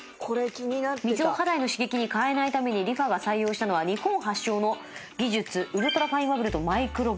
「水を肌への刺激に変えないためにリファが採用したのは日本発祥の技術ウルトラファインバブルとマイクロバブル」